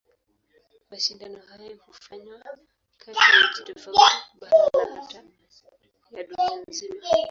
Mashindano hayo hufanywa kati ya nchi tofauti, bara na hata ya dunia nzima.